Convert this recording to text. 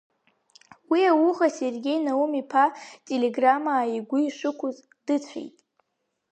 Уи ауха Сергеи Наум-иԥа ателеграмма игәы ишықәыз дыцәеит.